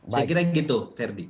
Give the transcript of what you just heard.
saya kira gitu ferdi